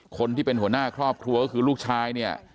คนที่เป็นหัวหน้าครอบครัวก็คือลูกชายเนี่ย